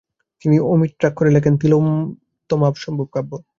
তিনি অমিত্রাক্ষরে লেখেন 'তিলোত্তমাসম্ভব' কাব্য।